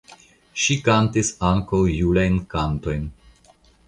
Ŝi kantis ankaŭ julajn kantojn.